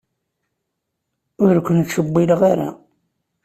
Ur ken-ttcewwileɣ ara.